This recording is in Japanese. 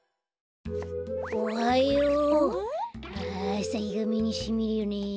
ああさひがめにしみるね。